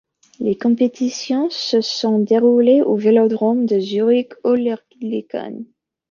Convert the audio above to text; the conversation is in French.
Les compétitions se sont déroulées au vélodrome de Zurich-Oerlikon.